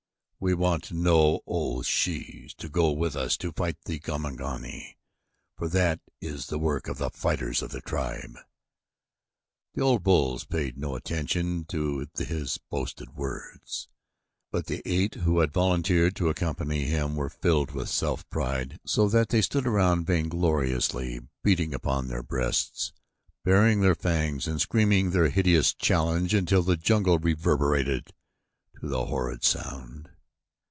"We want no old shes to go with us to fight the Gomangani for that is work for the fighters of the tribe." The old bulls paid no attention to his boastful words, but the eight who had volunteered to accompany him were filled with self pride so that they stood around vaingloriously beating upon their breasts, baring their fangs and screaming their hideous challenge until the jungle reverberated to the horrid sound.